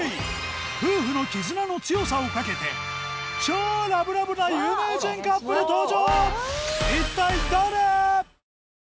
夫婦の絆の強さをかけて超ラブラブな有名人カップル登場！